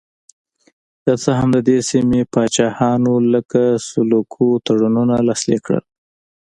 که څه هم د دې سیمې پاچاهانو لکه سلوکو تړونونه لاسلیک کړل.